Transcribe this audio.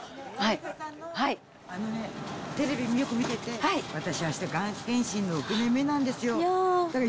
アンミカさんの、あのね、テレビよく見てて、私、あしたがん検診６年目なんですよ。